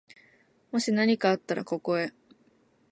もしなにかあったら、ここへ。